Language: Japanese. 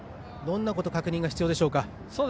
どんなこと確認が必要でしょうか。